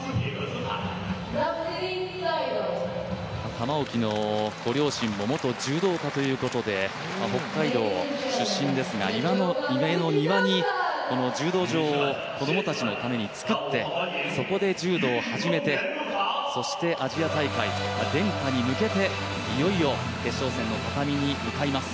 玉置のご両親も元柔道家ということで北海道出身ですが家の庭に柔道場を子供たちのために作って、そこで柔道を始めてそしてアジア大会連覇に向けて、いよいよ決勝戦の畳に向かいます。